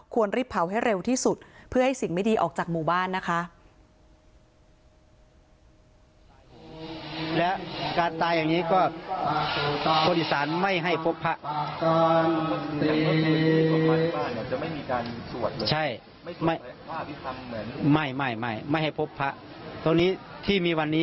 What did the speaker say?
รีบเผาให้เร็วที่สุดเพื่อให้สิ่งไม่ดีออกจากหมู่บ้านนะคะ